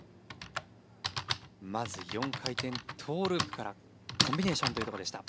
まず４回転トウループからコンビネーションというところでした。